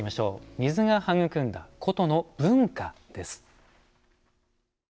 水が育んだ古都の文化です。